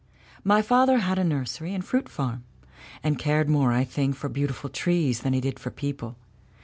My father had a nursery and fruit farm, and cared more, I think, for beautiful trees than he did for people.